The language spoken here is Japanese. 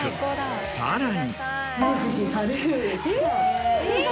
さらに。